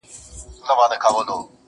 دې ساحل باندي څرک نسته د بيړیو!.